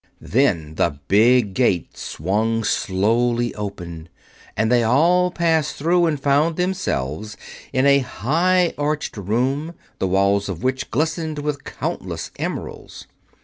Then the big gate swung slowly open, and they all passed through and found themselves in a high arched room, the walls of which glistened with countless emeralds.